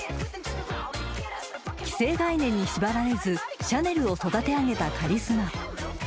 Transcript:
［既成概念に縛られずシャネルを育て上げたカリスマ］